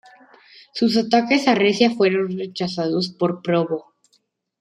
Sus ataques a Recia fueron rechazados por Probo.